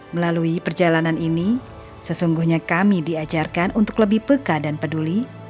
melalui perjalanan ini sesungguhnya kami diajarkan untuk lebih peka dan peduli